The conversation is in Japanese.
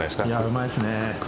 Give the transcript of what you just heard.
うまいですね。